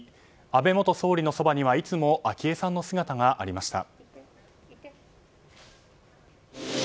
安倍元総理のそばにはいつも昭恵さんの姿がありました。